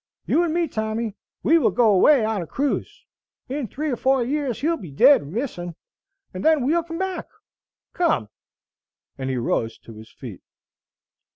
You and me, Tommy, will go away on a cruise. In three or four years he'll be dead or missing, and then we'll come back. Come." And he rose to his feet.